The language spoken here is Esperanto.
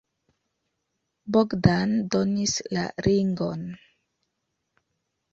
Bogdan donis la ringon.